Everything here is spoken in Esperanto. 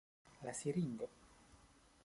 La siringo.